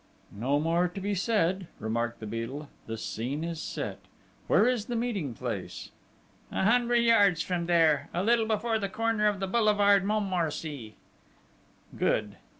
"No more to be said," remarked the Beadle. "The scene is set!... Where is the meeting place?" "A hundred yards from there a little before the corner of the boulevard Montmorency...." "Good!